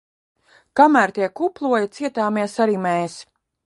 Kamēr tie kuploja, cietāmies arī mēs!